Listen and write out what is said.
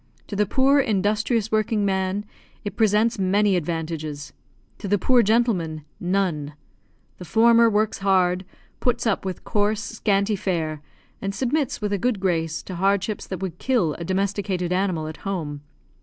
To the poor, industrious working man it presents many advantages; to the poor gentleman, none! The former works hard, puts up with coarse, scanty fare, and submits, with a good grace, to hardships that would kill a domesticated animal at home.